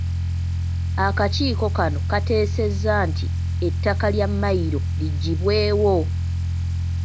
Akakiiko kano kaateesezza nti ettaka lya Mmayiro liggyibwewo.